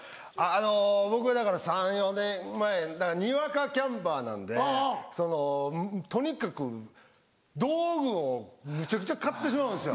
あの僕はだから３４年前にわかキャンパーなんでとにかく道具をむちゃくちゃ買ってしまうんですよ。